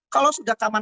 kalau sudah keamanan